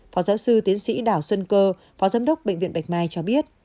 phó giáo sư tiến sĩ đào xuân cơ phó giám đốc bệnh viện bạch mai cho biết